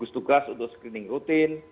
tugas untuk screening rutin